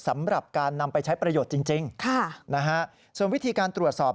สำหรับการนำไปใช้ประโยชน์จริงค่ะนะฮะส่วนวิธีการตรวจสอบ